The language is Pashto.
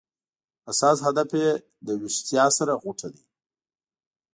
اساس هدف یې له ویښتیا سره غوټه ده.